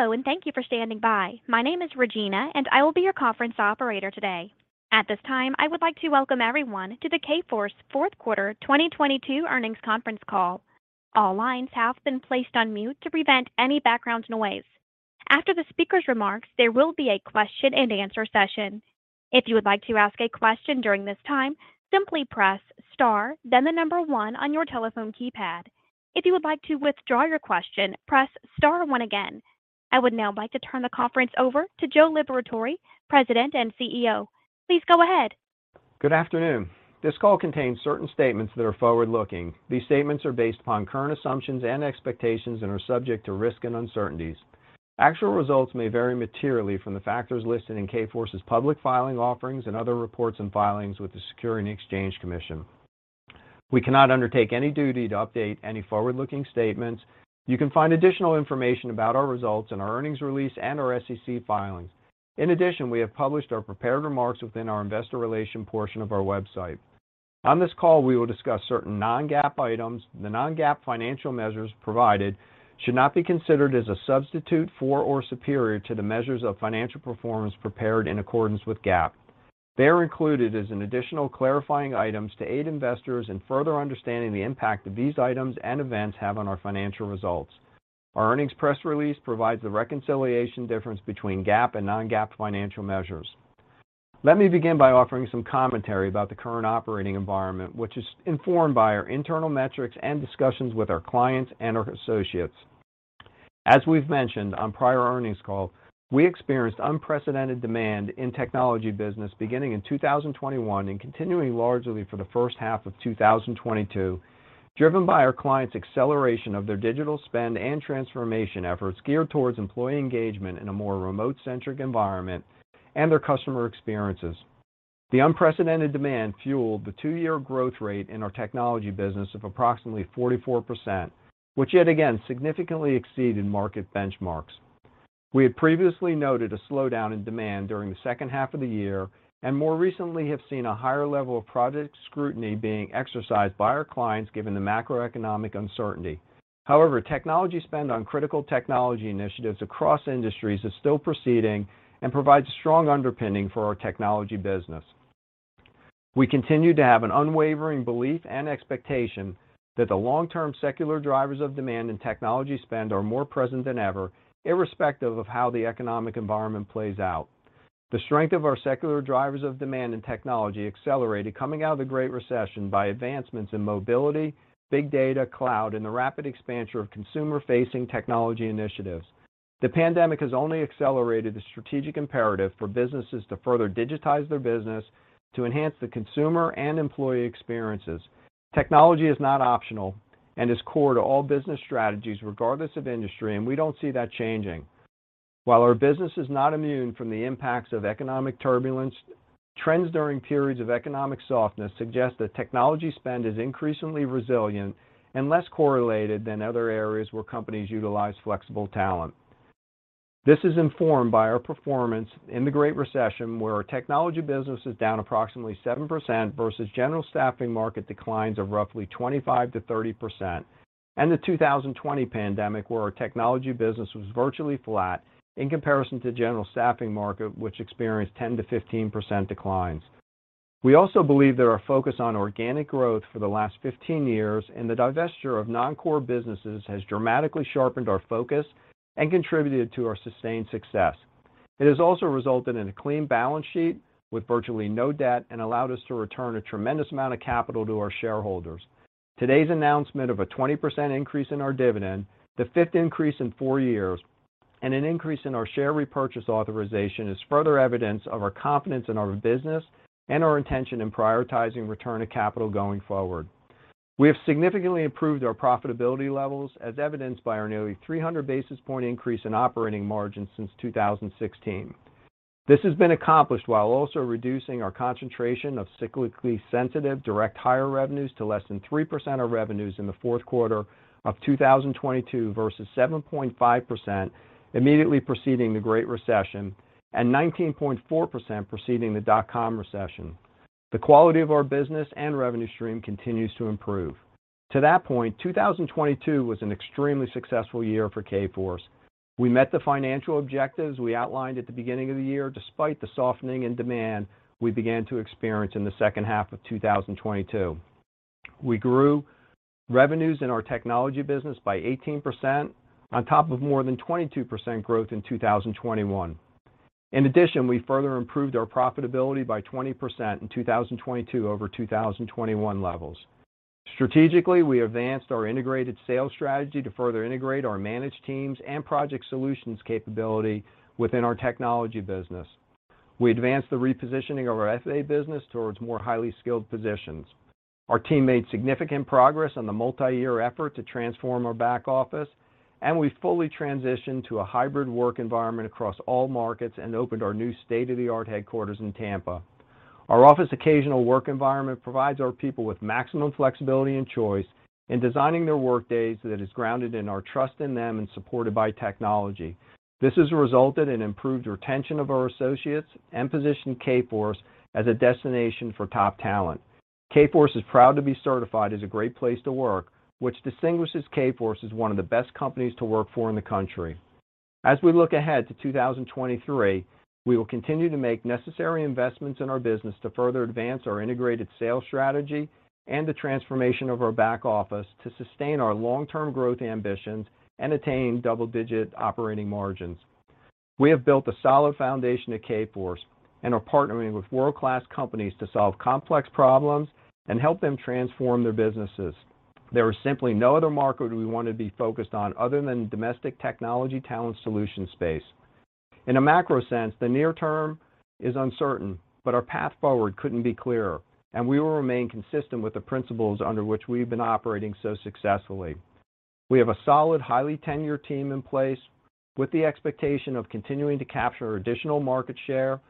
Hello, and thank you for standing by. My name is Regina, and I will be your conference operator today. At this time, I would like to welcome everyone to the Kforce Q4 2022 Earnings Conference Call. All lines have been placed on mute to prevent any background noise. After the speaker's remarks, there will be a question-and-answer session. If you would like to ask a question during this time, simply press star then the number one on your telephone keypad. If you would like to withdraw your question press star one again. I would now like to turn the conference over to Joe Liberatore, President and CEO. Please go ahead. Good afternoon. This call contains certain statements that are forward-looking. These statements are based upon current assumptions and expectations and are subject to risk and uncertainties. Actual results may vary materially from the factors listed in Kforce's public filing offerings and other reports and filings with the Securities and Exchange Commission. We cannot undertake any duty to update any forward-looking statements. You can find additional information about our results in our earnings release and our SEC filings. We have published our prepared remarks within our investor relation portion of our website. On this call, we will discuss certain non-GAAP items. The non-GAAP financial measures provided should not be considered as a substitute for or superior to the measures of financial performance prepared in accordance with GAAP. They are included as an additional clarifying items to aid investors in further understanding the impact of these items and events have on our financial results. Our earnings press release provides the reconciliation difference between GAAP and non-GAAP financial measures. Let me begin by offering some commentary about the current operating environment, which is informed by our internal metrics and discussions with our clients and our associates. As we've mentioned on prior earnings call, we experienced unprecedented demand in Technology Business beginning in 2021 and continuing largely for the H1 of 2022, driven by our clients' acceleration of their digital spend and transformation efforts geared towards employee engagement in a more remote-centric environment and their customer experiences. The unprecedented demand fueled the two-year growth rate in our technology business of approximately 44%, which yet again significantly exceeded market benchmarks. We had previously noted a slowdown in demand during the H2 of the year, and more recently have seen a higher level of project scrutiny being exercised by our clients given the macroeconomic uncertainty. However, technology spend on critical technology initiatives across industries is still proceeding and provides strong underpinning for our Technology Business. We continue to have an unwavering belief and expectation that the long-term secular drivers of demand in technology spend are more present than ever, irrespective of how the economic environment plays out. The strength of our secular drivers of demand in technology accelerated coming out of the Great Recession by advancements in mobility big data cloud and the rapid expansion of consumer-facing technology initiatives. The pandemic has only accelerated the strategic imperative for businesses to further digitize their business to enhance the consumer and employee experiences. Technology is not optional and is core to all business strategies regardless of industry. We don't see that changing. While our business is not immune from the impacts of economic turbulence, trends during periods of economic softness suggest that technology spend is increasingly resilient and less correlated than other areas where companies utilize flexible talent. This is informed by our performance in the Great Recession, where our Technology Business is down approximately 7% versus general staffing market declines of roughly 25%-30%. The 2020 pandemic, where our Technology Business was virtually flat in comparison to general staffing market, which experienced 10%-15% declines. We also believe that our focus on organic growth for the last 15 years and the divesture of non-core businesses has dramatically sharpened our focus and contributed to our sustained success. It has also resulted in a clean balance sheet with virtually no debt and allowed us to return a tremendous amount of capital to our shareholders. Today's announcement of a 20% increase in our dividend, the 5th increase in four years, and an increase in our share repurchase authorization is further evidence of our confidence in our business and our intention in prioritizing return of capital going forward. We have significantly improved our profitability levels, as evidenced by our nearly 300 basis point increase in operating margin since 2016. This has been accomplished while also reducing our concentration of cyclically sensitive direct hire revenues to less than 3% of revenues in the fourth quarter of 2022 versus 7.5% immediately preceding the Great Recession and 19.4 preceding the dot-com recession. The quality of our business and revenue stream continues to improve. To that point, 2022 was an extremely successful year for Kforce. We met the financial objectives we outlined at the beginning of the year, despite the softening in demand we began to experience in the H2 of 2022. We grew revenues in our Technology Business by 18% on top of more than 22% growth in 2021. In addition, we further improved our profitability by 20% in 2022 over 2021 levels. Strategically, we advanced our integrated sales strategy to further integrate our managed teams and project solutions capability within our Technology Business. We advanced the repositioning of our FA Business towards more highly skilled positions. Our team made significant progress on the multi-year effort to transform our back office, and we fully transitioned to a hybrid work environment across all markets and opened our new state-of-the-art headquarters in Tampa. Our office occasional work environment provides our people with maximum flexibility and choice in designing their work days that is grounded in our trust in them and supported by technology. This has resulted in improved retention of our associates and positioned Kforce as a destination for top talent. Kforce is proud to be certified as a great place to work, which distinguishes Kforce as one of the best companies to work for in the country. As we look ahead to 2023, we will continue to make necessary investments in our business to further advance our integrated sales strategy and the transformation of our back office to sustain our long-term growth ambitions and attain double-digit operating margins. We have built a solid foundation at Kforce and are partnering with world-class companies to solve complex problems and help them transform their businesses. There is simply no other market we want to be focused on other than domestic technology talent solution space. In a macro sense, the near term is uncertain, but our path forward couldn't be clearer, and we will remain consistent with the principles under which we've been operating so successfully. We have a solid, highly tenured team in place with the expectation of continuing to capture additional market share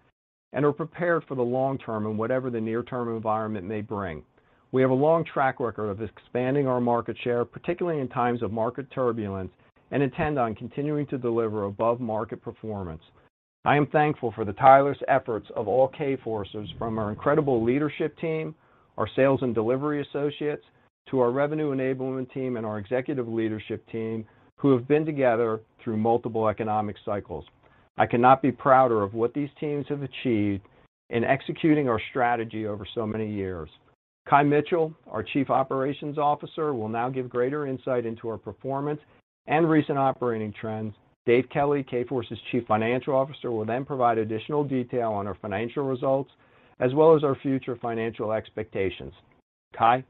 and are prepared for the long term and whatever the near-term environment may bring. We have a long track record of expanding our market share, particularly in times of market turbulence, and intend on continuing to deliver above-market performance. I am thankful for the tireless efforts of all Kforcers from our incredible leadership team, our sales and delivery associates, to our revenue enablement team and our executive leadership team, who have been together through multiple economic cycles. I cannot be prouder of what these teams have achieved in executing our strategy over so many years. Kye Mitchell, our Chief Operating Officer, will now give greater insight into our performance and recent operating trends. Dave Kelly, Kforce's Chief Financial Officer, will then provide additional detail on our financial results as well as our future financial expectations. Kye?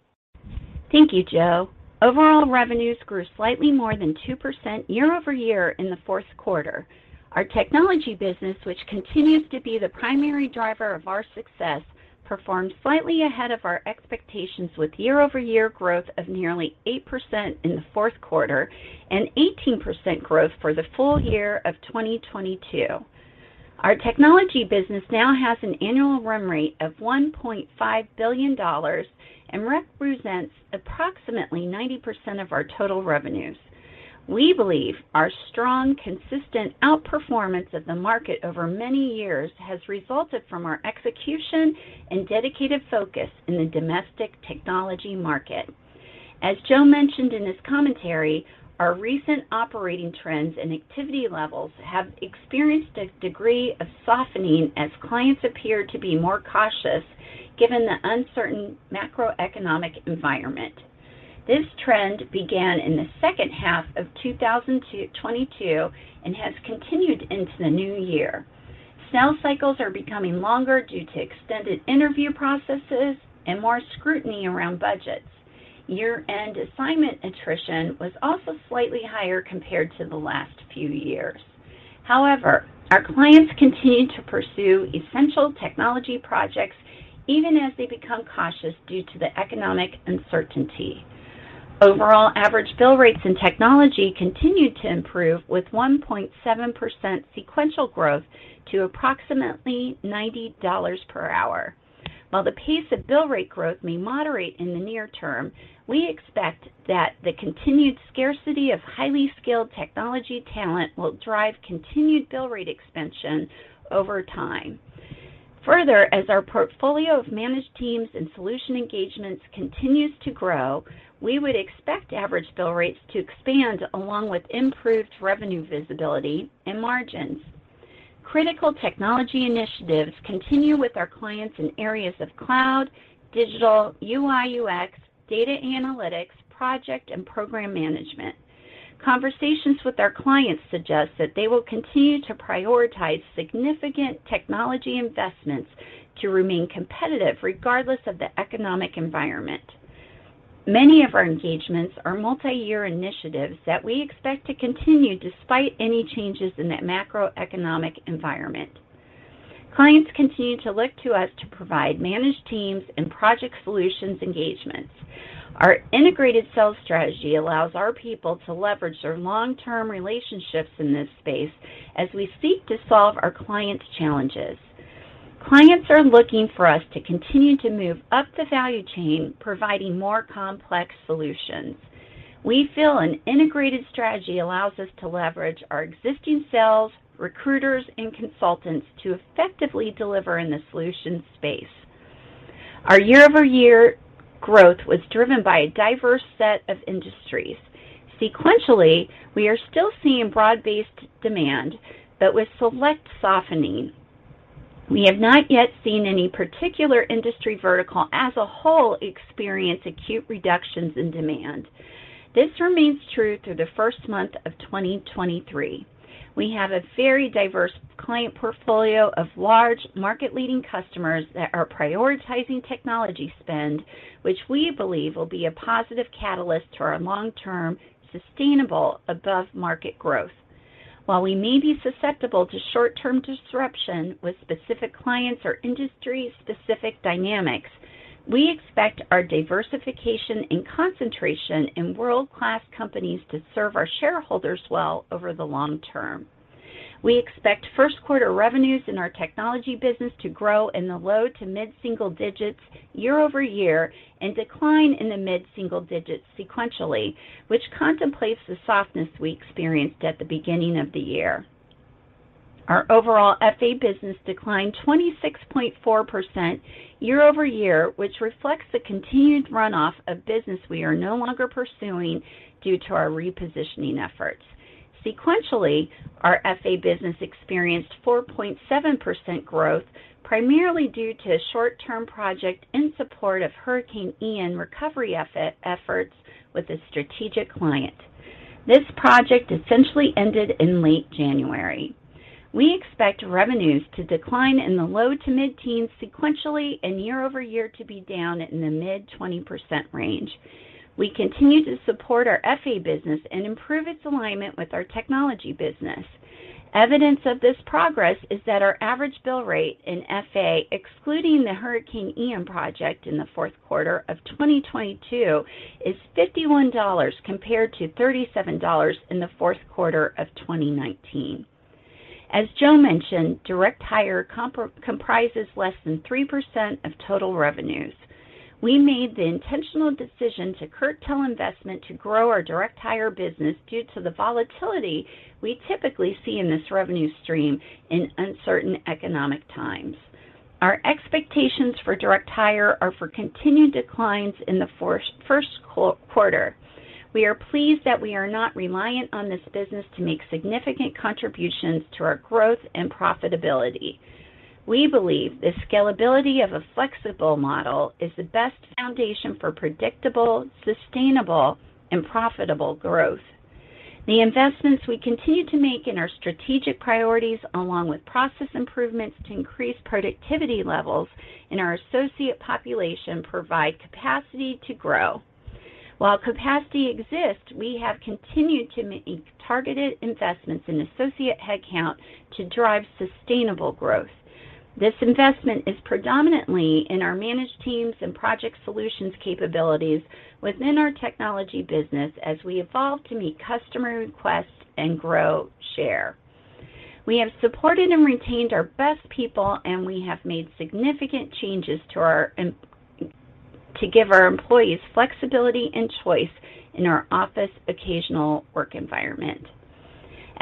Thank you, Joe. Overall revenues grew slightly more than 2% year-over-year in the fourth quarter. Our technology business, which continues to be the primary driver of our success, performed slightly ahead of our expectations with year-over-year growth of nearly 8% in the fourth quarter and 18% growth for the full year of 2022. Our technology business now has an annual run rate of $1.5 billion and represents approximately 90% of our total revenues. We believe our strong, consistent outperformance of the market over many years has resulted from our execution and dedicated focus in the domestic technology market. As Joe mentioned in his commentary, our recent operating trends and activity levels have experienced a degree of softening as clients appear to be more cautious given the uncertain macroeconomic environment. This trend began in the H2 of 2022 and has continued into the new year. Sales cycles are becoming longer due to extended interview processes and more scrutiny around budgets. Year-end assignment attrition was also slightly higher compared to the last few years. Our clients continue to pursue essential technology projects even as they become cautious due to the economic uncertainty. Overall average bill rates in technology continued to improve with 1.7% sequential growth to approximately $90 per hour. While the pace of bill rate growth may moderate in the near term, we expect that the continued scarcity of highly skilled technology talent will drive continued bill rate expansion over time. As our portfolio of managed teams and solution engagements continues to grow, we would expect average bill rates to expand along with improved revenue visibility and margins. Critical technology initiatives continue with our clients in areas of cloud, digital, UI/UX, data analytics, project and program management. Conversations with our clients suggest that they will continue to prioritize significant technology investments to remain competitive regardless of the economic environment. Many of our engagements are multi-year initiatives that we expect to continue despite any changes in the macroeconomic environment. Clients continue to look to us to provide managed teams and project solutions engagements. Our integrated sales strategy allows our people to leverage their long-term relationships in this space as we seek to solve our clients' challenges. Clients are looking for us to continue to move up the value chain, providing more complex solutions. We feel an integrated strategy allows us to leverage our existing sales, recruiters, and consultants to effectively deliver in the solutions space. Our year-over-year growth was driven by a diverse set of industries. Sequentially, we are still seeing broad-based demand with select softening. We have not yet seen any particular industry vertical as a whole experience acute reductions in demand. This remains true through the first month of 2023. We have a very diverse client portfolio of large market-leading customers that are prioritizing technology spend, which we believe will be a positive catalyst to our long-term, sustainable above-market growth. While we may be susceptible to short-term disruption with specific clients or industry-specific dynamics, we expect our diversification and concentration in world-class companies to serve our shareholders well over the long term. We expect first quarter revenues in our technology business to grow in the low to mid-single digits year over year and decline in the mid-single digits sequentially, which contemplates the softness we experienced at the beginning of the year. Our overall FA Business declined 26.4% year over year, which reflects the continued runoff of business we are no longer pursuing due to our repositioning efforts. Sequentially, our FA Business experienced 4.7% growth, primarily due to a short-term project in support of Hurricane lan Recovery efforts with a strategic client. This project essentially ended in late January. We expect revenues to decline in the low to mid-teens sequentially and year over year to be down in the mid-20% range. We continue to support our FA business and improve its alignment with our Technology Business. Evidence of this progress is that our average bill rate in FA, excluding the Hurricane Ian project in the fourth quarter of 2022, is $51 compared to $37 in the fourth quarter of 2019. As Joe mentioned, direct hire comprises less than 3% of total revenues. We made the intentional decision to curtail investment to grow our direct hire business due to the volatility we typically see in this revenue stream in uncertain economic times. Our expectations for direct hire are for continued declines in the first quarter. We are pleased that we are not reliant on this business to make significant contributions to our growth and profitability. We believe the scalability of a flexible model is the best foundation for predictable, sustainable and profitable growth. The investments we continue to make in our strategic priorities, along with process improvements to increase productivity levels in our associate population, provide capacity to grow. While capacity exists, we have continued to make targeted investments in associate headcount to drive sustainable growth. This investment is predominantly in our managed teams and project solutions capabilities within our technology business as we evolve to meet customer requests and grow share. We have supported and retained our best people and we have made significant changes to give our employees flexibility and choice in our office occasional work environment.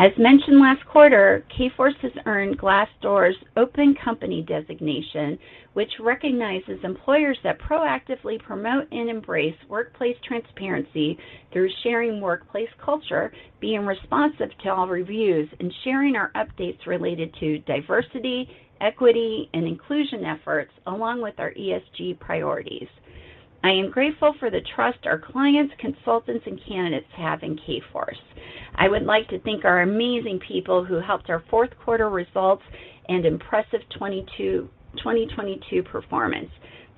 As mentioned last quarter, Kforce has earned Glassdoor's Open Company designation, which recognizes employers that proactively promote and embrace workplace transparency through sharing workplace culture, being responsive to all reviews, and sharing our updates related to diversity, equity, and inclusion efforts along with our ESG priorities. I am grateful for the trust our clients, consultants, and candidates have in Kforce. I would like to thank our amazing people who helped our fourth quarter results and impressive 2022 performance.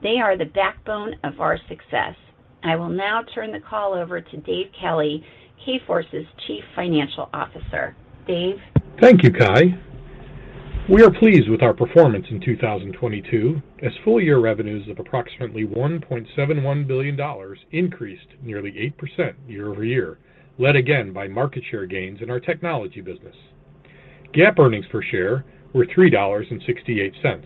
They are the backbone of our success. I will now turn the call over to Dave Kelly, Kforce's Chief Financial Officer. Dave? Thank you, Kye. We are pleased with our performance in 2022, as full year revenues of approximately $1.71 billion increased nearly 8% year-over-year, led again by market share gains in our technology business. GAAP earnings per share were $3.68.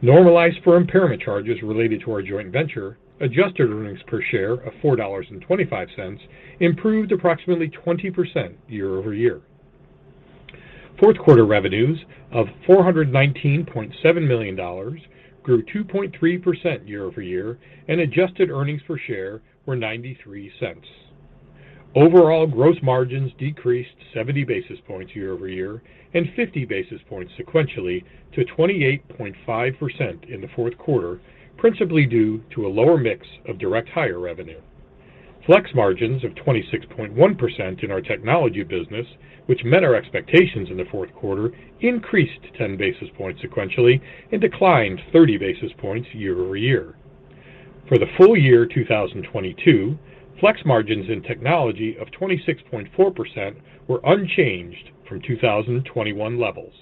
Normalized for impairment charges related to our joint venture, adjusted earnings per share of $4.25 improved approximately 20% year-over-year. Fourth quarter revenues of $419.7 million grew 2.3% year-over-year, and adjusted earnings per share were $0.93. Overall, gross margins decreased 70 basis points year-over-year and 50 basis points sequentially to 28.5% in the fourth quarter, principally due to a lower mix of direct hire revenue. Flex margins of 26.1% in our technology business, which met our expectations in the fourth quarter, increased 10 basis points sequentially and declined 30 basis points year-over-year. For the full year 2022, Flex margins in technology of 26.4% were unchanged from 2021 levels.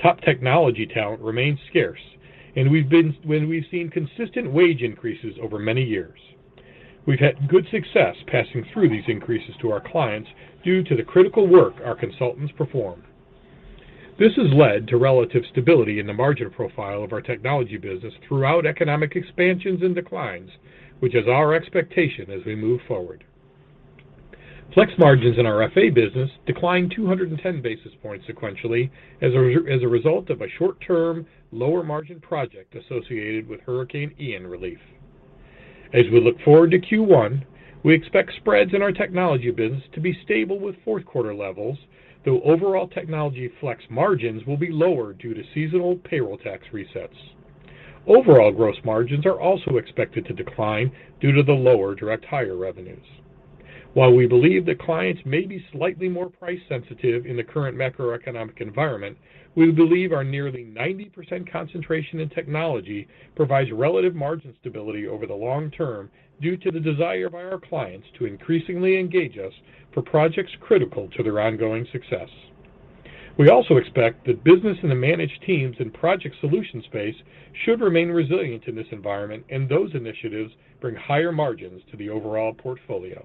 Top technology talent remains scarce, we've seen consistent wage increases over many years. We've had good success passing through these increases to our clients due to the critical work our consultants perform. This has led to relative stability in the margin profile of our technology business throughout economic expansions and declines, which is our expectation as we move forward. Flex margins in our FA business declined 210 basis points sequentially as a result of a short-term, lower-margin project associated with Hurricane Ian Relief. As we look forward to Q1, we expect spreads in our technology business to be stable with fourth quarter levels, though overall technology flex margins will be lower due to seasonal payroll tax resets. Overall gross margins are also expected to decline due to the lower direct hire revenues. While we believe that clients may be slightly more price sensitive in the current macroeconomic environment, we believe our nearly 90% concentration in technology provides relative margin stability over the long term due to the desire by our clients to increasingly engage us for projects critical to their ongoing success. We also expect that business in the managed teams and project solution space should remain resilient in this environment. Those initiatives bring higher margins to the overall portfolio.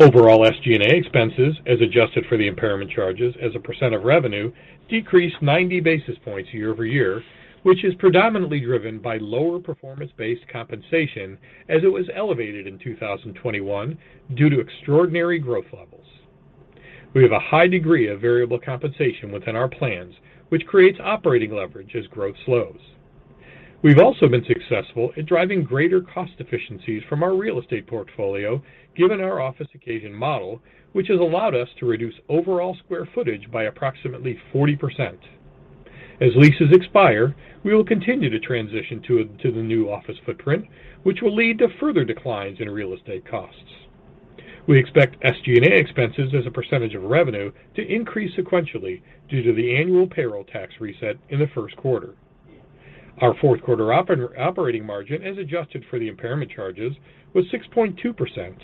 Overall, SG&A expenses, as adjusted for the impairment charges as a % of revenue, decreased 90 basis points year-over-year, which is predominantly driven by lower performance-based compensation as it was elevated in 2021 due to extraordinary growth levels. We have a high degree of variable compensation within our plans, which creates operating leverage as growth slows. We've also been successful in driving greater cost efficiencies from our real estate portfolio, given our office occasional model, which has allowed us to reduce overall square footage by approximately 40%. As leases expire, we will continue to transition to the new office footprint, which will lead to further declines in real estate costs. We expect SG&A expenses as a % of revenue to increase sequentially due to the annual payroll tax reset in the first quarter. Our fourth quarter operating margin, as adjusted for the impairment charges, was 6.2%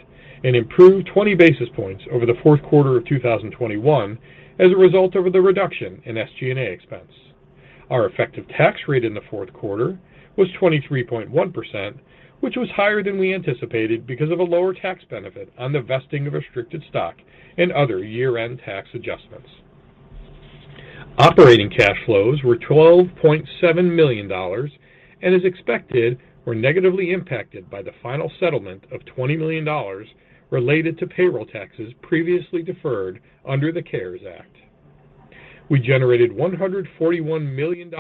and improved 20 basis points over the fourth quarter of 2021 as a result of the reduction in SG&A expense. Our effective tax rate in the fourth quarter was 23.1%, which was higher than we anticipated because of a lower tax benefit on the vesting of restricted stock and other year-end tax adjustments. Operating cash flows were $12.7 million and as expected, were negatively impacted by the final settlement of $20 million related to payroll taxes previously deferred under the CARES Act. We generated $141 million in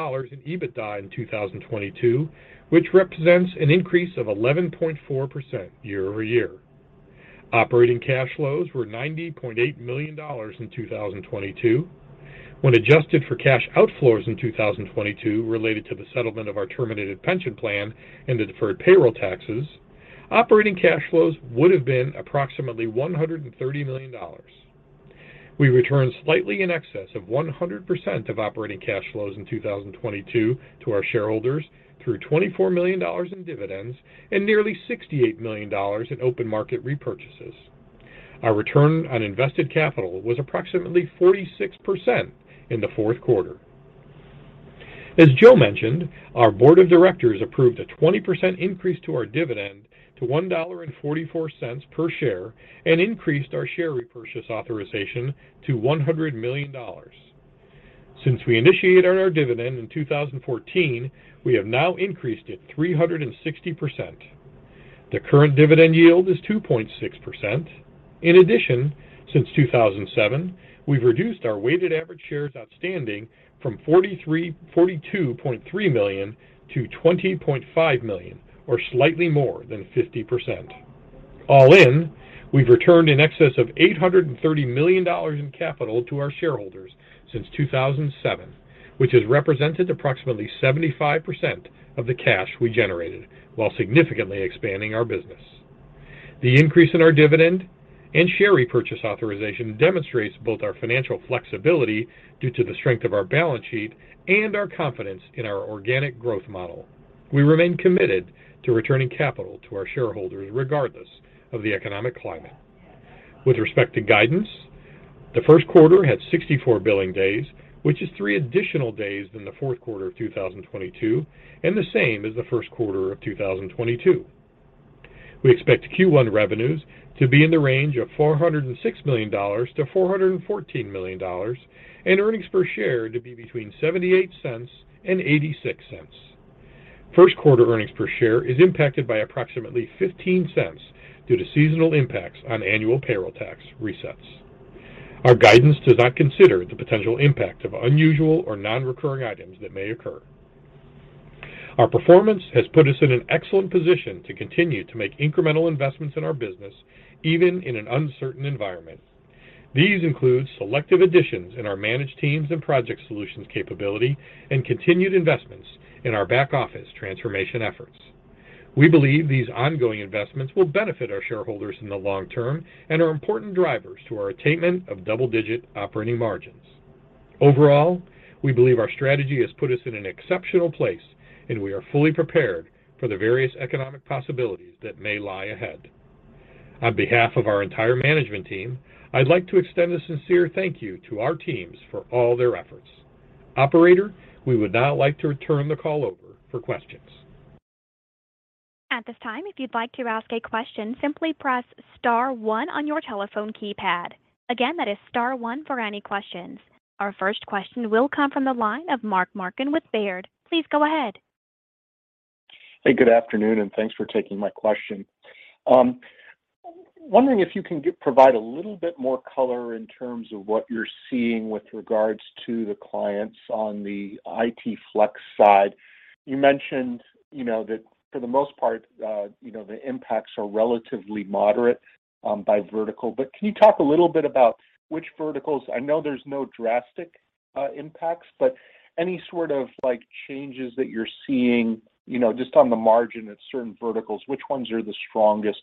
EBITDA in 2022, which represents an increase of 11.4% year-over-year. Operating cash flows were $90.8 million in 2022. When adjusted for cash outflows in 2022 related to the settlement of our terminated pension plan and the deferred payroll taxes, operating cash flows would have been approximately $130 million. We returned slightly in excess of 100% of operating cash flows in 2022 to our shareholders through $24 million in dividends and nearly $68 million in open market repurchases. Our return on invested capital was approximately 46% in the fourth quarter. As Joe mentioned, our board of directors approved a 20% increase to our dividend to $1.44 per share and increased our share repurchase authorization to $100 million. Since we initiated our dividend in 2014, we have now increased it 360%. The current dividend yield is 2.6%. In addition, since 2007, we've reduced our weighted average shares outstanding from 42.3 million to 20.5 million, or slightly more than 50%. All in, we've returned in excess of $830 million in capital to our shareholders since 2007, which has represented approximately 75% of the cash we generated while significantly expanding our business. The increase in our dividend and share repurchase authorization demonstrates both our financial flexibility due to the strength of our balance sheet and our confidence in our organic growth model. We remain committed to returning capital to our shareholders regardless of the economic climate. With respect to guidance, the first quarter had 64 billing days, which is three additional days than the fourth quarter of 2022 and the same as the first quarter of 2022. We expect Q1 revenues to be in the range of $406 million-$414 million and earnings per share to be between $0.78 and $0.86. First quarter earnings per share is impacted by approximately $0.15 due to seasonal impacts on annual payroll tax resets. Our guidance does not consider the potential impact of unusual or non-recurring items that may occur. Our performance has put us in an excellent position to continue to make incremental investments in our business, even in an uncertain environment. These include selective additions in our managed teams and project solutions capability and continued investments in our back office transformation efforts. We believe these ongoing investments will benefit our shareholders in the long term and are important drivers to our attainment of double-digit operating margins. Overall, we believe our strategy has put us in an exceptional place, and we are fully prepared for the various economic possibilities that may lie ahead. On behalf of our entire management team, I'd like to extend a sincere thank you to our teams for all their efforts. Operator, we would now like to return the call over for questions. At this time, if you'd like to ask a question, simply press star one on your telephone keypad. Again, that is star one for any questions. Our first question will come from the line of Mark Marcon with Baird. Please go ahead. Good afternoon, and thanks for taking my question. Wondering if you can provide a little bit more color in terms of what you're seeing with regards to the clients on the IT flex side? You mentioned, you know, that for the most part, you know, the impacts are relatively moderate, by vertical. Can you talk a little bit about which verticals? I know there's no drastic impacts, but any sort of, like, changes that you're seeing, you know, just on the margin of certain verticals, which ones are the strongest?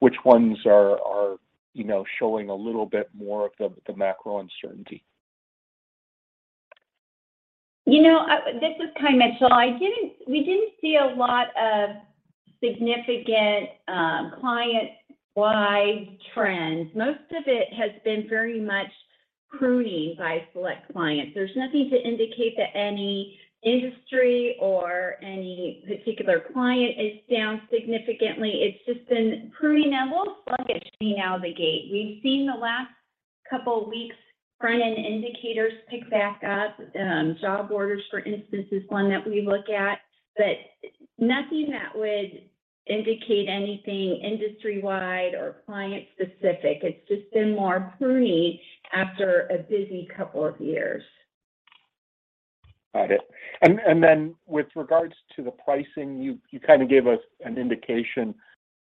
Which ones are, you know, showing a little bit more of the macro uncertainty? You know, this is Kye Mitchell. We didn't see a lot of significant client-wide trends. Most of it has been very much pruning by select clients. There's nothing to indicate that any industry or any particular client is down significantly. It's just been pruning. We'll slug it out the gate. We've seen the last couple of weeks. Front end indicators pick back up. Job orders, for instance is one that we look at, but nothing that would indicate anything industry-wide or client-specific. It's just been more pruning after a busy couple of years. Got it. Then with regards to the pricing, you kinda gave us an indication,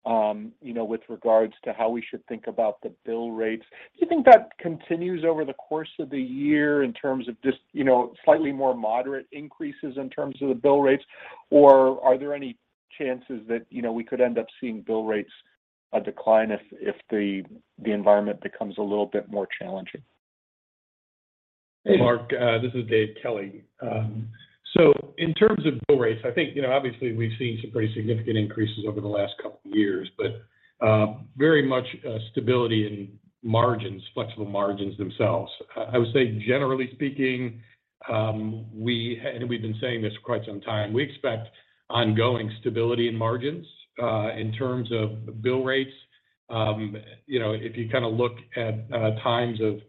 you know, with regards to how we should think about the bill rates. Do you think that continues over the course of the year in terms of just, you know, slightly more moderate increases in terms of the bill rates? Or are there any chances that, you know, we could end up seeing bill rates decline if the environment becomes a little bit more challenging? Marc, this is David Kelly. In terms of bill rates, I think, you know, obviously we've seen some pretty significant increases over the last couple of years, but very much stability in margins, Flex margins themselves. I would say generally speaking, we've been saying this for quite some time, we expect ongoing stability in margins. In terms of bill rates, you know, if you kinda look at times of,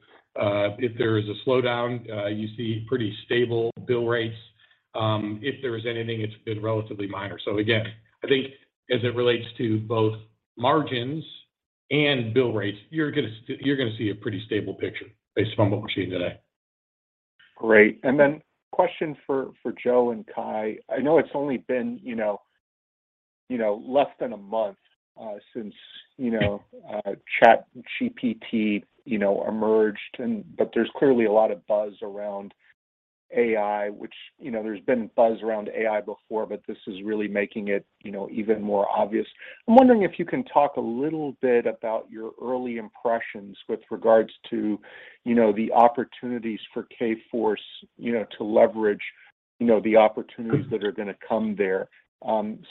if there is a slowdown, you see pretty stable bill rates. If there is anything, it's been relatively minor. Again, I think as it relates to both margins and bill rates, you're gonna see a pretty stable picture based on what we're seeing today. Great. Question for Joe and Kye. I know it's only been less than a month since ChatGPT emerged, but there's clearly a lot of buzz around AI which there's been buzz around AI before but this is really making it even more obvious. I'm wondering if you can talk a little bit about your early impressions with regards to the opportunities for Kforce to leverage the opportunities that are gonna come there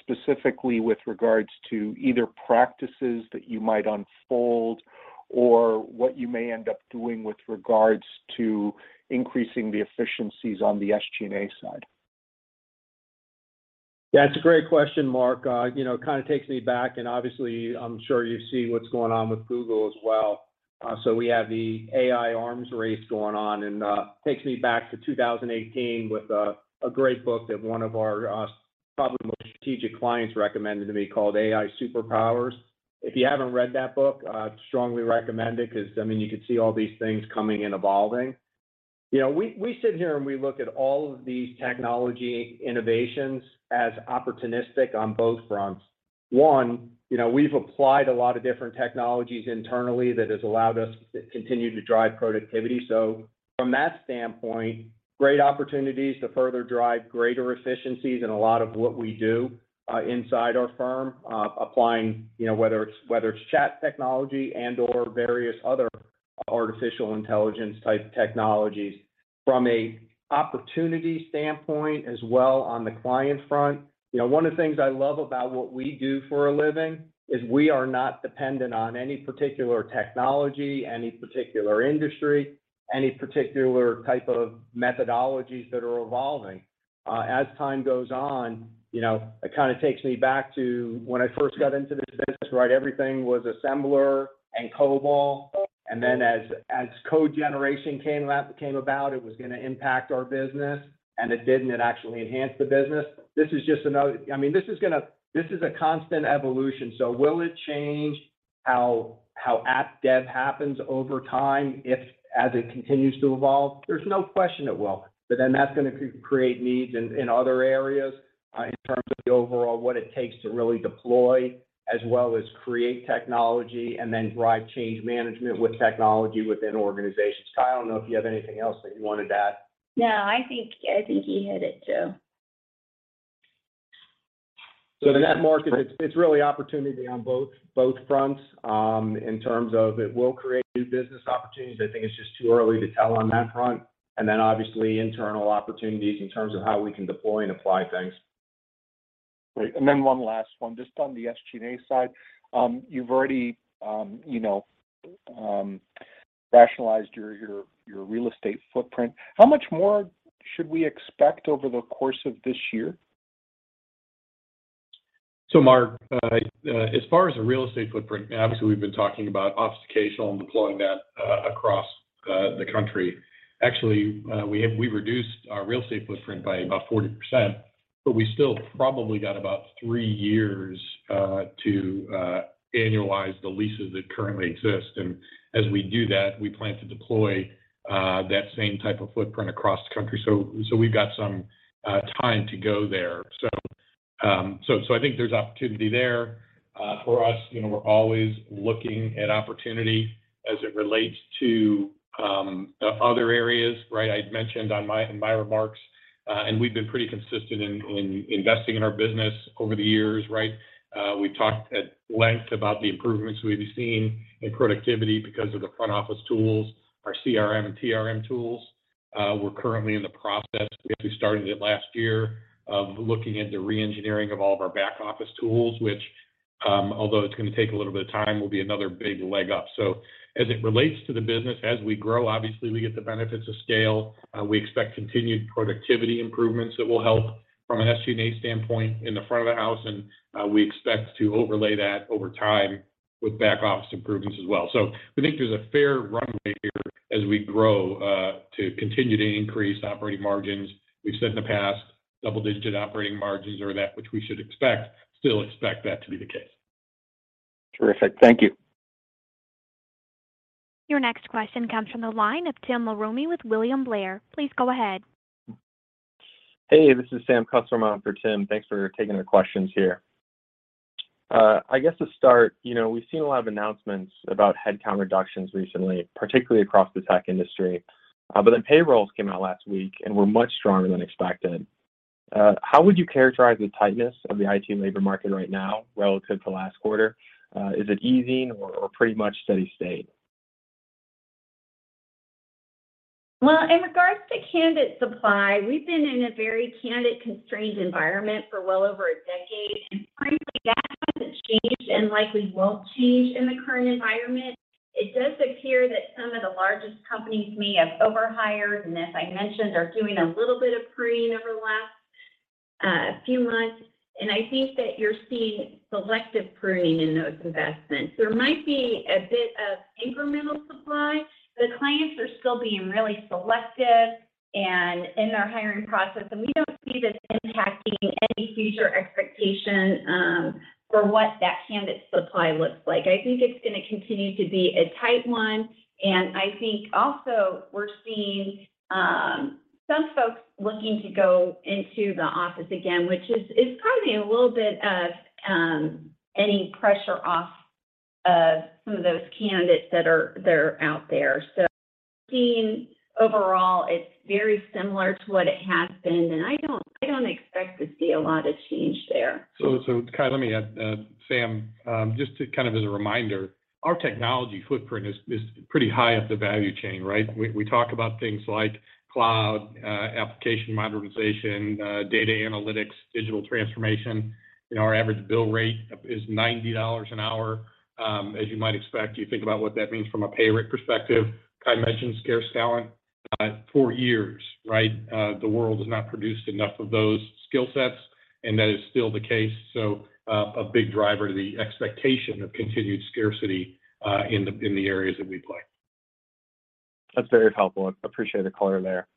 specifically with regards to either practices that you might unfold or what you may end up doing with regards to increasing the efficiencies on the SG&A side. Yeah, it's a great question, Mark. You know, it kind of takes me back, and obviously I'm sure you see what's going on with Google as well. We have the AI arms race going on, and takes me back to 2018 with a great book that one of our, probably most strategic clients recommended to me called AI Superpowers. If you haven't read that book, I'd strongly recommend it 'cause, I mean, you could see all these things coming and evolving. You know, we sit here, and we look at all of these technology innovations as opportunistic on both fronts. One, you know, we've applied a lot of different technologies internally that has allowed us to continue to drive productivity. From that standpoint, great opportunities to further drive greater efficiencies in a lot of what we do inside our firm, applying, you know, whether it's, whether it's chat technology and/or various other artificial intelligence-type technologies. From a opportunity standpoint as well on the client front, you know, one of the things I love about what we do for a living is we are not dependent on any particular technology, any particular industry any particular type of methodologies that are evolving. As time goes on, you know, it kind of takes me back to when I first got into this business, right? Everything was assembler and COBOL. As, as code generation came about, it was gonna impact our business, and it didn't. It actually enhanced the business. I mean, this is a constant evolution. Will it change how app dev happens over time as it continues to evolve? There's no question it will. That's gonna create needs in other areas in terms of the overall what it takes to really deploy as well as create technology and then drive change management with technology within organizations. Kye, I don't know if you have anything else that you wanted to add. No, I think, I think you hit it, Joe. In that market, it's really opportunity on both fronts, in terms of it will create new business opportunities. I think it's just too early to tell on that front. Obviously internal opportunities in terms of how we can deploy and apply things. Great. One last one. Just on the SG&A side, you've already, you know, rationalized your real estate footprint. How much more should we expect over the course of this year? Marc, as far as the real estate footprint, obviously we've been talking about offsite caseload and deploying that across the country. Actually, we've reduced our real estate footprint by about 40%, but we still probably got about three years to annualize the leases that currently exist. As we do that, we plan to deploy that same type of footprint across the country. We've got some time to go there. I think there's opportunity there for us. You know, we're always looking at opportunity as it relates to other areas, right? I'd mentioned in my remarks, and we've been pretty consistent in investing in our business over the years, right? We've talked at length about the improvements we've seen in productivity because of the front office tools, our CRM and TRM tools. We're currently in the process, we actually started it last year, of looking at the reengineering of all of our back office tools, which, although it's gonna take a little bit of time, will be another big leg up. As it relates to the business, as we grow, obviously, we get the benefits of scale. We expect continued productivity improvements that will help from an SG&A standpoint in the front of the house, and we expect to overlay that over time with back office improvements as well. We think there's a fair runway here. As we grow, to continue to increase operating margins, we've said in the past, double-digit operating margins are that which we should expect, still expect that to be the case. Joe. Thank you. Your next question comes from the line of Tim Mulrooney with William Blair. Please go ahead. Hey, this is Sam Kusswurm for Tim Mulrooney. Thanks for taking the questions here. I guess to start, you know, we've seen a lot of announcements about headcount reductions recently, particularly across the tech industry. Payrolls came out last week and were much stronger than expected. How would you characterize the tightness of the IT labor market right now relative to last quarter? Is it easing or pretty much steady state? Well, in regards to candidate supply, we've been in a very candidate-constrained environment for well over a decade. Frankly, that hasn't changed and likely won't change in the current environment. It does appear that some of the largest companies may have overhired and as I mentioned, are doing a little bit of pruning over the last few months. I think that you're seeing selective pruning in those investments. There might be a bit of incremental supply. The clients are still being really selective in their hiring process, and we don't see this impacting any future expectation for what that candidate supply looks like. I think it's gonna continue to be a tight one. I think also we're seeing, some folks looking to go into the office again, which is probably a little bit of, any pressure off of some of those candidates that are out there. Seeing overall, it's very similar to what it has been. I don't, I don't expect to see a lot of change there. Kye, let me add, Sam, just to kind of as a reminder, our technology footprint is pretty high up the value chain, right. We talk about things like cloud, application modernization, data analytics, digital transformation. You know, our average bill rate is $90 an hour, as you might expect. You think about what that means from a pay rate perspective. Kye mentioned scarce talent. For years, right, the world has not produced enough of those skill sets, and that is still the case. A big driver to the expectation of continued scarcity in the areas that we play. That's very helpful. I appreciate the color there.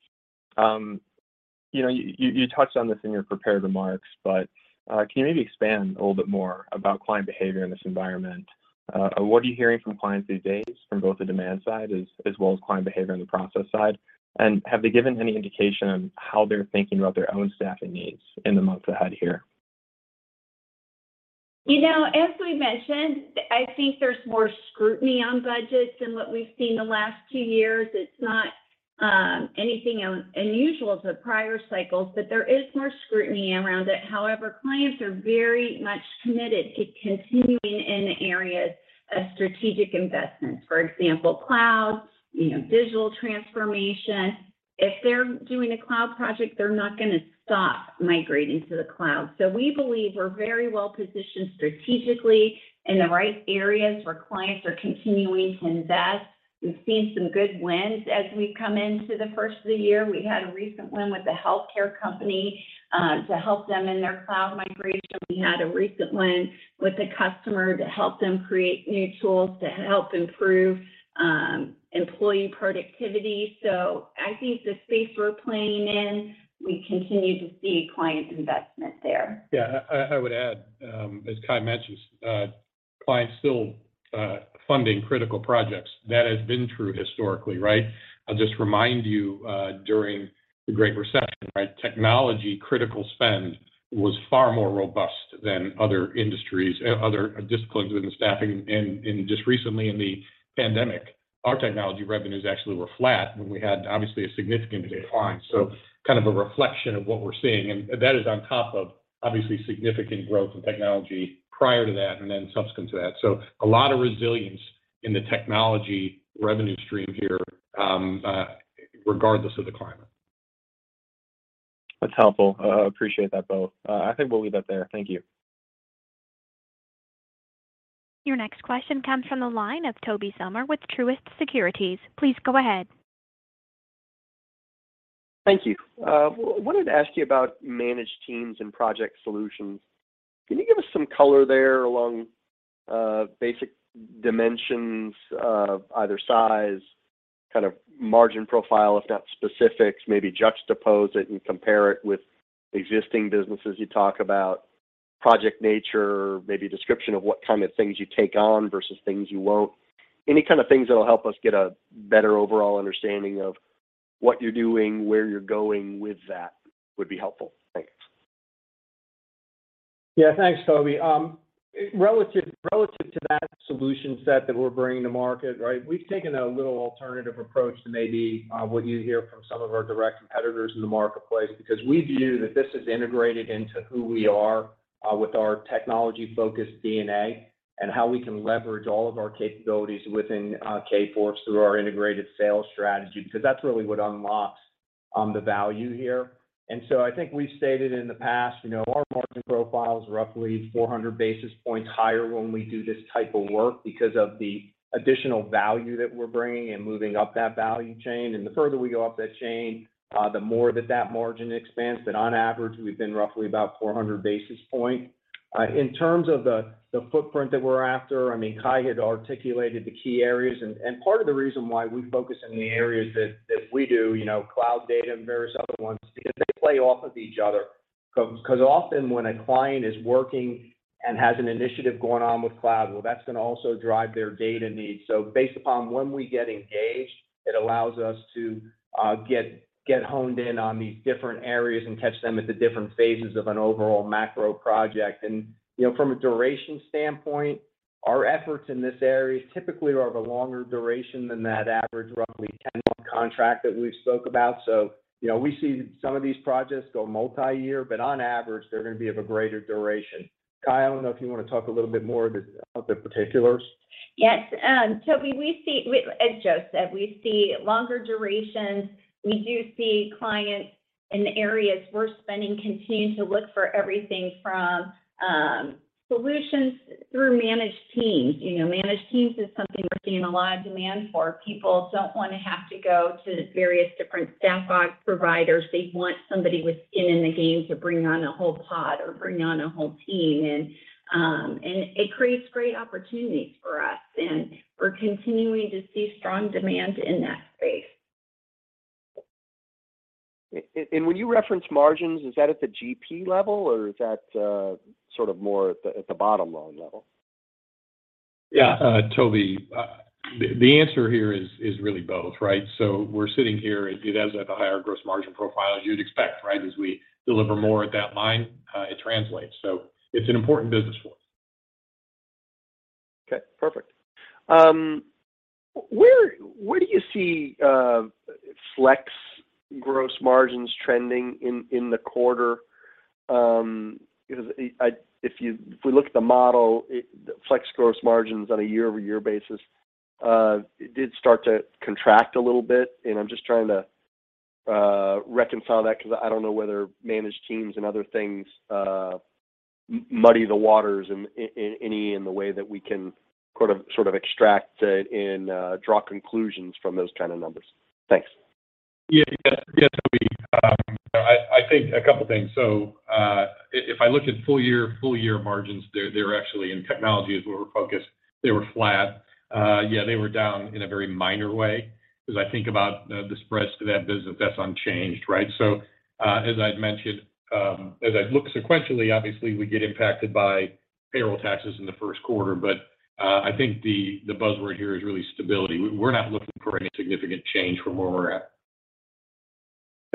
you know, you touched on this in your prepared remarks, but, can you maybe expand a little bit more about client behavior in this environment? What are you hearing from clients these days from both the demand side as well as client behavior on the process side? Have they given any indication on how they're thinking about their own staffing needs in the months ahead here? You know, as we mentioned, I think there's more scrutiny on budgets than what we've seen the last 2 years. It's not anything unusual to prior cycles, but there is more scrutiny around it. However, clients are very much committed to continuing in the areas of strategic investments. For example, cloud, you know, digital transformation. If they're doing a cloud project, they're not gonna stop migrating to the cloud. We believe we're very well-positioned strategically in the right areas where clients are continuing to invest. We've seen some good wins as we come into the 1st of the year. We had a recent win with a healthcare company to help them in their cloud migration. We had a recent win with a customer to help them create new tools to help improve employee productivity. I think the space we're playing in, we continue to see client investment there. Yeah. I would add, as Kye mentioned, clients still funding critical projects. That has been true historically, right? I'll just remind you, during the Great Recession, right, technology critical spend was far more robust than other industries, other disciplines within staffing. Just recently in the pandemic, our technology revenues actually were flat when we had obviously a significant decline. Kind of a reflection of what we're seeing. That is on top of obviously significant growth in technology prior to that and then subsequent to that. A lot of resilience in the technology revenue stream here, regardless of the climate. That's helpful. Appreciate that, both. I think we'll leave that there. Thank you. Your next question comes from the line of Tobey Sommer with Truist Securities. Please go ahead. Thank you. wanted to ask you about managed teams and project solutions. Can you give us some color there along basic dimensions of either size, kind of margin profile, if not specifics, maybe juxtapose it and compare it with existing businesses you talk about, project nature, maybe a description of what kind of things you take on versus things you won't? Any kind of things that'll help us get a better overall understanding of what you're doing, where you're going with that would be helpful. Thanks. Yeah, thanks, Tobey. relative to that solution set that we're bringing to market, right, we've taken a little alternative approach to maybe, what you hear from some of our direct competitors in the marketplace, because we view that this is integrated into who we are, with our technology-focused DNA and how we can leverage all of our capabilities within, Kforce through our integrated sales strategy, because that's really what unlocks, the value here. I think we've stated in the past, you know, our margin profile is roughly 400 basis points higher when we do this type of work because of the additional value that we're bringing and moving up that value chain. The further we go up that chain, the more that that margin expands, that on average, we've been roughly about 400 basis point. In terms of the footprint that we're after, I mean, Kye had articulated the key areas and part of the reason why we focus in the areas that we do, you know, cloud data and various other ones, because they play off of each other. 'Cause often when a client is working and has an initiative going on with cloud, well, that's gonna also drive their data needs. Based upon when we get engaged, it allows us to get honed in on these different areas and catch them at the different phases of an overall macro project. From a duration standpoint, our efforts in this area typically are of a longer duration than that average, roughly 10-month contract that we've spoke about. you know, we see some of these projects go multi-year, but on average, they're gonna be of a greater duration. Kye, I don't know if you wanna talk a little bit more of the, of the particulars. Yes. Tobey, as Joe said, we see longer durations. We do see clients in the areas we're spending continue to look for everything from solutions through managed teams. You know, managed teams is something we're seeing a lot of demand for. People don't wanna have to go to the various different staff aug providers. They want somebody with skin in the game to bring on a whole pod or bring on a whole team. It creates great opportunities for us, and we're continuing to see strong demand in that space. When you reference margins, is that at the GP level or is that, sort of more at the bottom line level? Yeah, Tobey, the answer here is really both, right. We're sitting here, it has at the higher gross margin profile you'd expect, right. As we deliver more at that line, it translates. It's an important business for us. Okay, perfect. Where do you see flex gross margins trending in the quarter? Because if we look at the model, the flex gross margins on a year-over-year basis, it did start to contract a little bit, and I'm just trying to reconcile that because I don't know whether managed teams and other things muddy the waters in the way that we can sort of extract it and draw conclusions from those kind of numbers. Thanks. Yeah. Yeah, Tobey. I think a couple things. If I look at full year margins, they're actually, in technologies where we're focused, they were flat. Yeah, they were down in a very minor way 'cause I think about the spreads to that business, that's unchanged, right? As I'd mentioned, as I look sequentially, obviously we get impacted by payroll taxes in the first quarter, but, I think the buzzword here is really stability. We're not looking for any significant change from where we're at,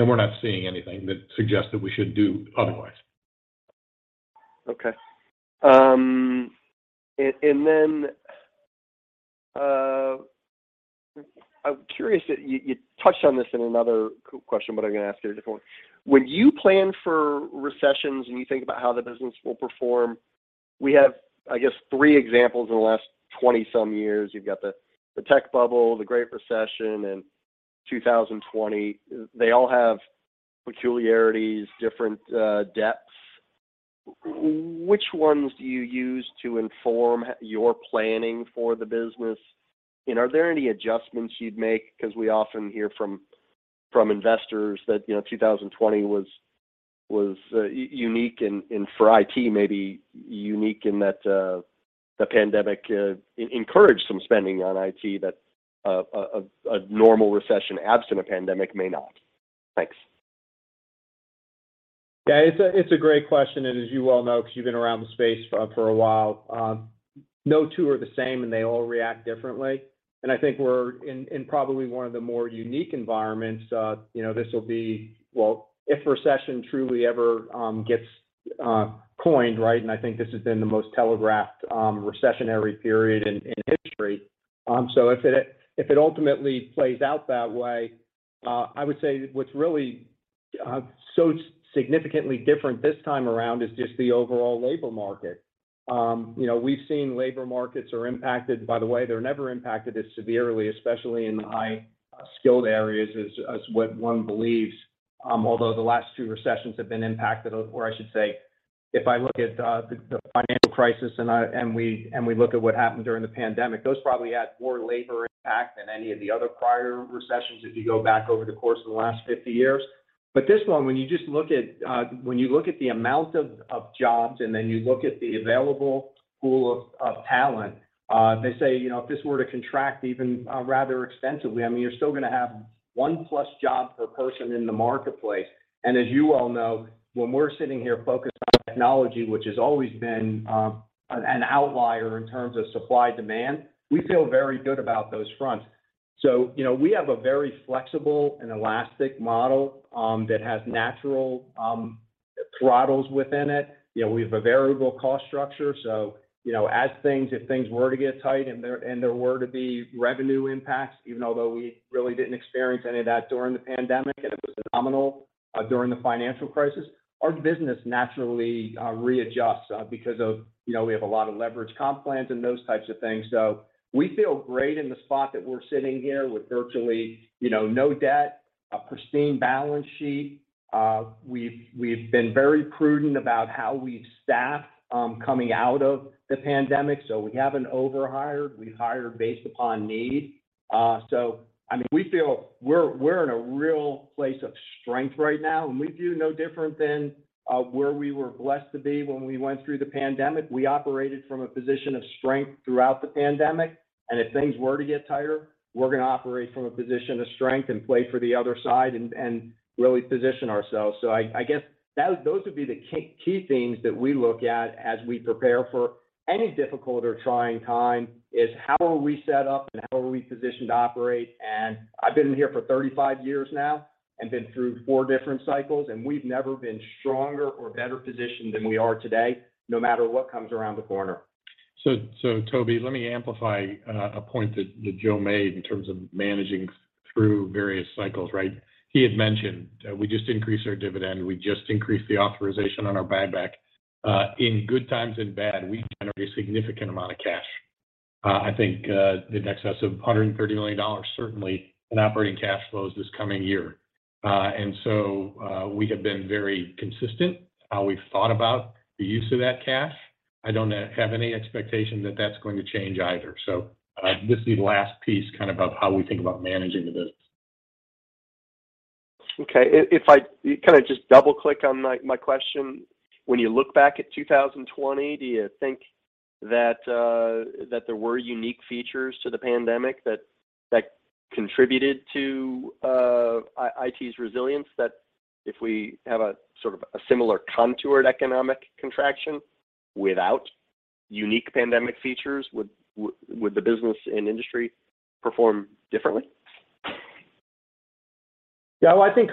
and we're not seeing anything that suggests that we should do otherwise. Okay. And then, I'm curious that you touched on this in another question, but I'm gonna ask you a different one. When you plan for recessions, and you think about how the business will perform, we have, I guess, 3 examples in the last 20-some years. You've got the tech bubble, the Great Recession, and 2020. They all have peculiarities, different depths. Which ones do you use to inform your planning for the business? And are there any adjustments you'd make? Because we often hear from investors that, you know, 2020 was unique and for IT maybe unique in that the pandemic encouraged some spending on IT that a normal recession absent a pandemic may not. Thanks. Yeah. It's a, it's a great question. As you well know, because you've been around the space for a while, no two are the same, and they all react differently. I think we're in probably one of the more unique environments. You know, this will be. Well, if recession truly ever gets coined, right? I think this has been the most telegraphed recessionary period in history. If it ultimately plays out that way, I would say what's really so significantly different this time around is just the overall labor market. You know, we've seen labor markets are impacted. By the way, they're never impacted as severely, especially in the high-skilled areas, as what one believes. Although the last two recessions have been impacted, or I should say, if I look at the financial crisis and we look at what happened during the pandemic, those probably had more labor impact than any of the other prior recessions if you go back over the course of the last 50 years. This one, when you just look at when you look at the amount of jobs and then you look at the available pool of talent, they say, you know, if this were to contract even rather extensively, I mean, you're still gonna have 1 plus job per person in the marketplace. As you well know, when we're sitting here focused on technology, which has always been an outlier in terms of supply-demand, we feel very good about those fronts. You know, we have a very flexible and elastic model that has natural throttles within it. You know, we have a variable cost structure. You know, as things, if things were to get tight and there were to be revenue impacts, even although we really didn't experience any of that during the pandemic, and it was phenomenal during the financial crisis, our business naturally readjusts because of, you know, we have a lot of leverage comp plans and those types of things. We feel great in the spot that we're sitting here with virtually, you know, no debt, a pristine balance sheet. We've been very prudent about how we've staffed coming out of the pandemic, so we haven't overhired. We've hired based upon need. I mean, we feel we're in a real place of strength right now, and we view no different than where we were blessed to be when we went through the pandemic. We operated from a position of strength throughout the pandemic, and if things were to get tighter, we're going to operate from a position of strength and play for the other side and really position ourselves. I guess those would be the key themes that we look at as we prepare for any difficult or trying time is how are we set up and how are we positioned to operate. I've been here for 35 years now and been through four different cycles, and we've never been stronger or better positioned than we are today, no matter what comes around the corner. Tobey, let me amplify a point that Joe made in terms of managing through various cycles, right? He had mentioned, we just increased our dividend, we just increased the authorization on our buyback. In good times and bad, we generate a significant amount of cash. I think in excess of $130 million, certainly in operating cash flows this coming year. We have been very consistent how we've thought about the use of that cash. I don't have any expectation that that's going to change either. This is the last piece kind of how we think about managing the business. Okay. If I kinda just double-click on my question, when you look back at 2020, do you think that there were unique features to the pandemic that contributed to IT's resilience? That if we have a sort of a similar contoured economic contraction without unique pandemic features, would the business and industry perform differently? Yeah. I think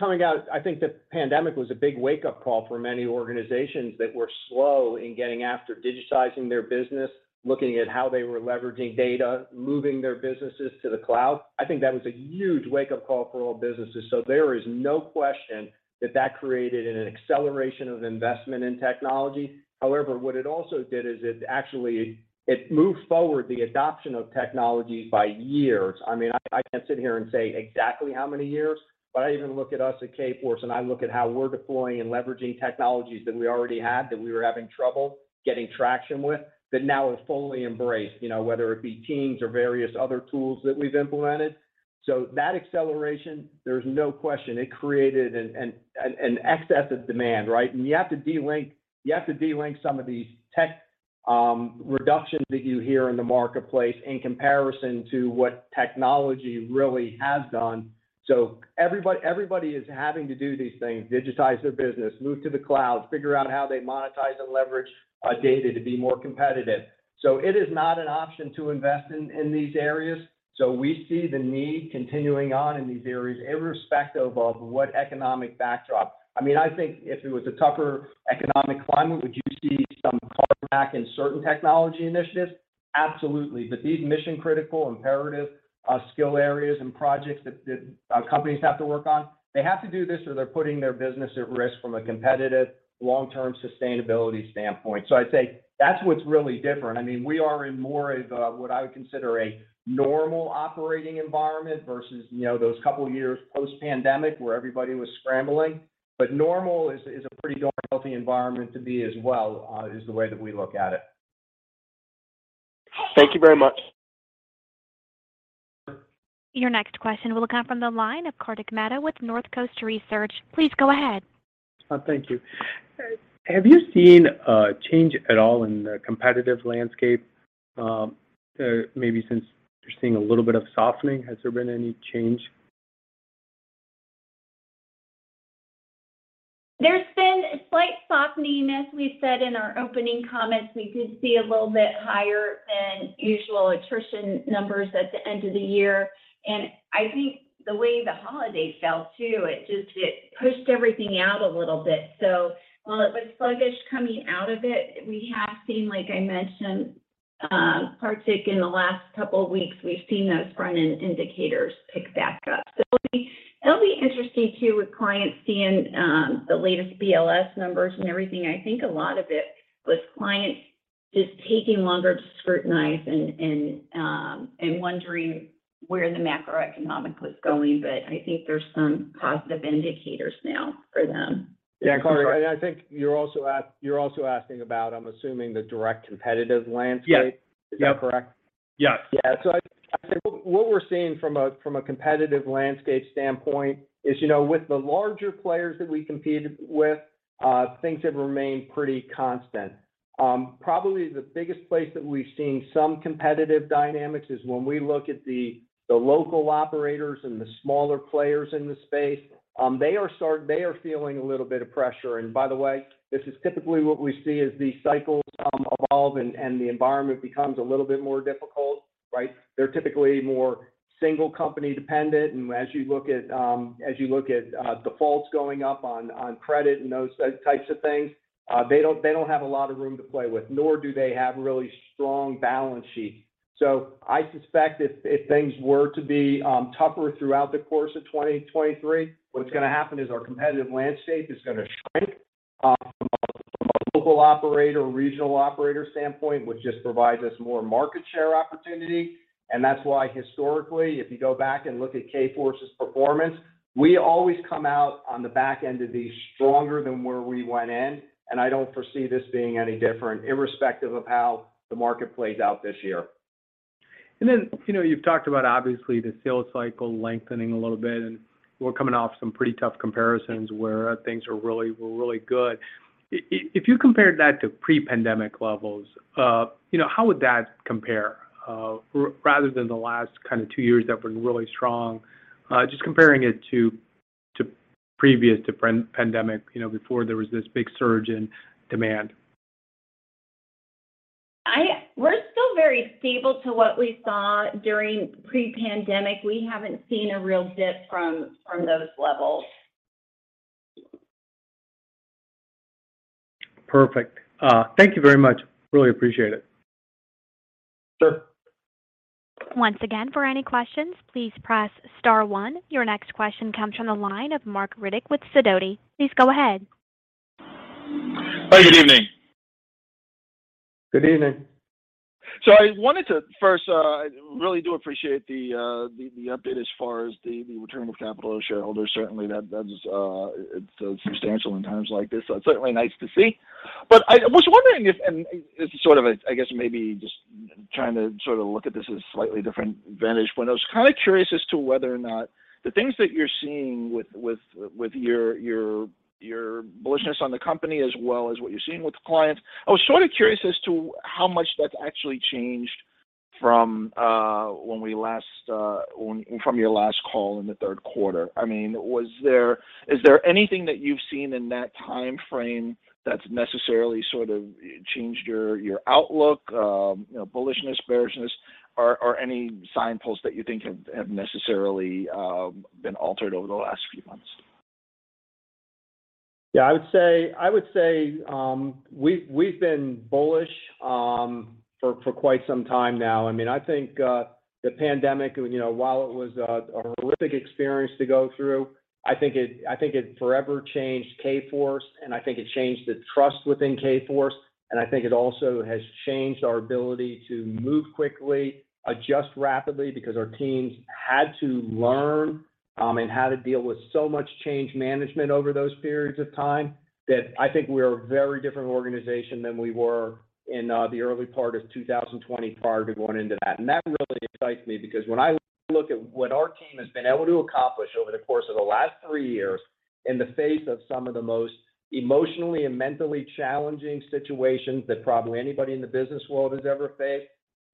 coming out, the pandemic was a big wake-up call for many organizations that were slow in getting after digitizing their business, looking at how they were leveraging data, moving their businesses to the cloud. I think that was a huge wake-up call for all businesses. There is no question that that created an acceleration of investment in technology. However, what it also did is it actually moved forward the adoption of technologies by years. I mean, I can't sit here and say exactly how many years, but I even look at us at Kforce and I look at how we're deploying and leveraging technologies that we already had that we were having trouble getting traction with that now is fully embraced, you know, whether it be Teams or various other tools that we've implemented. That acceleration, there's no question it created an excess of demand, right? You have to delink some of these tech reductions that you hear in the marketplace in comparison to what technology really has done. Everybody is having to do these things, digitize their business, move to the cloud, figure out how they monetize and leverage data to be more competitive. It is not an option to invest in these areas. We see the need continuing on in these areas irrespective of what economic backdrop. I mean, I think if it was a tougher economic climate, would you see some cutback in certain technology initiatives? Absolutely. These mission-critical, imperative, skill areas and projects that companies have to work on, they have to do this or they're putting their business at risk from a competitive long-term sustainability standpoint. I'd say that's what's really different. I mean, we are in more of a, what I would consider a normal operating environment versus, you know, those couple of years post-pandemic where everybody was scrambling. Normal is a pretty darn healthy environment to be as well, is the way that we look at it. Thank you very much. Your next question will come from the line of Kartik Mehta with Northcoast Research. Please go ahead. Thank you. Have you seen a change at all in the competitive landscape? Maybe since you're seeing a little bit of softening, has there been any change? There's been a slight softening. As we said in our opening comments, we did see a little bit higher than usual attrition numbers at the end of the year. I think the way the holidays fell too, it just pushed everything out a little bit. While it was sluggish coming out of it, we have seen, like I mentioned, Kartik, in the last couple of weeks, we've seen those front-end indicators pick back up. It'll be interesting too with clients seeing the latest BLS numbers and everything. I think a lot of it was clients just taking longer to scrutinize and wondering where the macroeconomic was going. I think there's some positive indicators now for them. Yeah. Kartik, I think you're also asking about, I'm assuming, the direct competitive landscape. Yes. Is that correct? Yes. Yeah. I think what we're seeing from a competitive landscape standpoint is, you know, with the larger players that we compete with, things have remained pretty constant. Probably the biggest place that we've seen some competitive dynamics is when we look at the local operators and the smaller players in the space. They are feeling a little bit of pressure. By the way, this is typically what we see as these cycles evolve and the environment becomes a little bit more difficult, right? They're typically more single-company dependent. As you look at, as you look at defaults going up on credit and those types of things, they don't have a lot of room to play with, nor do they have really strong balance sheets. I suspect if things were to be tougher throughout the course of 2023, what's gonna happen is our competitive landscape is gonna shrink from a local operator, regional operator standpoint, which just provides us more market share opportunity. That's why historically, if you go back and look at Kforce's performance, we always come out on the back end of these stronger than where we went in. I don't foresee this being any different irrespective of how the market plays out this year. you know, you've talked about obviously the sales cycle lengthening a little bit, and we're coming off some pretty tough comparisons where things were really good. If you compared that to pre-pandemic levels, you know, how would that compare? Rather than the last kinda 2 years that were really strong, just comparing it to previous to pan-pandemic, you know, before there was this big surge in demand. We're still very stable to what we saw during pre-pandemic. We haven't seen a real dip from those levels. Perfect. Thank you very much. Really appreciate it. Sure. Once again, for any questions, please press star one. Your next question comes from the line of Marc Riddick with Sidoti. Please go ahead. Oh, good evening. Good evening. I wanted to first, I really do appreciate the update as far as the return of capital to shareholders. Certainly, that is, it's substantial in times like this. It's certainly nice to see. I was wondering if, and this is sort of a, I guess, maybe just trying to sort of look at this as a slightly different vantage point. I was kinda curious as to whether or not the things that you're seeing with your bullishness on the company as well as what you're seeing with the clients. I was sorta curious as to how much that's actually changed from your last call in the third quarter. I mean, is there anything that you've seen in that timeframe that's necessarily sort of changed your outlook, you know, bullishness, bearishness, or any signposts that you think have necessarily been altered over the last few months? Yeah. I would say, we've been bullish, for quite some time now. I mean, I think the pandemic and, you know, while it was a horrific experience to go through, I think it forever changed Kforce, and I think it changed the trust within Kforce, and I think it also has changed our ability to move quickly, adjust rapidly because our teams had to learn, and how to deal with so much change management over those periods of time, that I think we're a very different organization than we were in the early part of 2020 prior to going into that. That really excites me because when I look at what our team has been able to accomplish over the course of the last three years in the face of some of the most emotionally and mentally challenging situations that probably anybody in the business world has ever faced,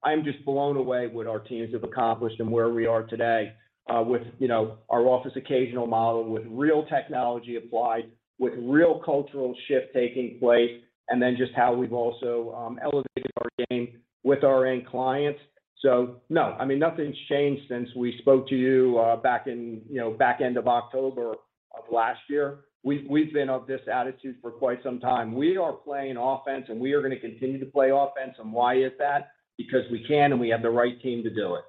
I'm just blown away what our teams have accomplished and where we are today, with, you know, our Office Occasional model with real technology applied, with real cultural shift taking place, and then just how we've also elevated our game with our end clients. No, I mean, nothing's changed since we spoke to you back in, you know, back end of October of last year. We've been of this attitude for quite some time. We are playing offense, and we are gonna continue to play offense. Why is that? Because we can, and we have the right team to do it.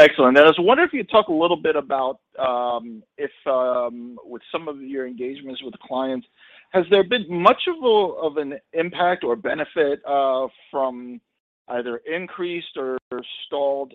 Excellent. I was wondering if you'd talk a little bit about, if, with some of your engagements with the clients, has there been much of an impact or benefit, from either increased or stalled,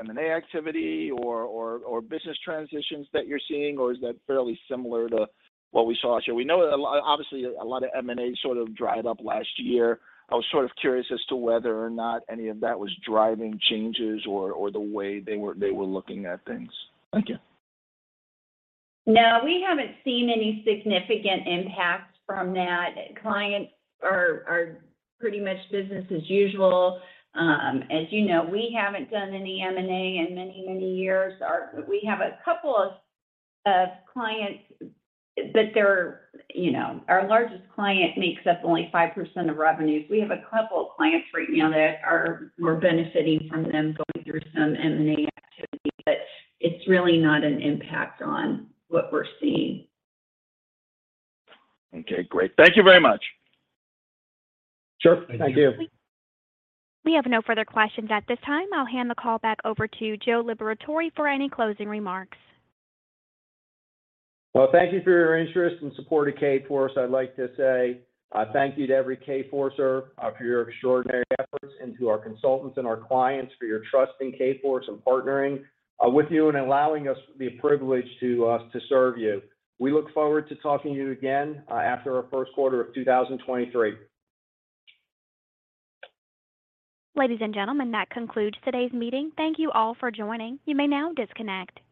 M&A activity or business transitions that you're seeing, or is that fairly similar to what we saw? We know that obviously, a lot of M&A sort of dried up last year. I was sort of curious as to whether or not any of that was driving changes or the way they were looking at things. Thank you. No, we haven't seen any significant impact from that. Clients are pretty much business as usual. As you know, we haven't done any M&A in many, many years. We have a couple of clients, but they're, you know. Our largest client makes up only 5% of revenues. We have a couple of clients right now that are we're benefiting from them going through some M&A activity, but it's really not an impact on what we're seeing. Okay, great. Thank you very much. Sure. Thank you. We have no further questions at this time. I'll hand the call back over to Joe Liberatore for any closing remarks. Well, thank you for your interest and support of Kforce. I'd like to say, thank you to every Kforcer, for your extraordinary efforts, and to our consultants and our clients for your trust in Kforce and partnering, with you and allowing us the privilege to serve you. We look forward to talking to you again, after our first quarter of 2023. Ladies and gentlemen, that concludes today's meeting. Thank you all for joining. You may now disconnect.